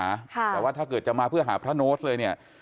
แต่ว่าถ้าเกิดจะมาเพื่อหาพระโน้ตเลยเนี่ย